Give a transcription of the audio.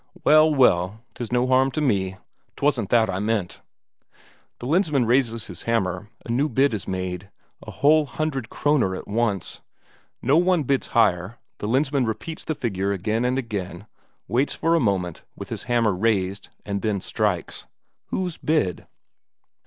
"Well, well, 'tis no harm to me, 'twasn't that I meant." The Lensmand raises his hammer, a new bid is made, a whole hundred Kroner at once; no one bids higher, the Lensmand repeats the figure again and again, waits for a moment with his hammer raised, and then strikes. Whose bid?